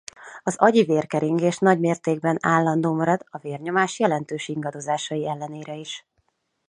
Az agyi vérkeringés nagymértékben állandó marad a vérnyomás jelentős ingadozásai ellenére is.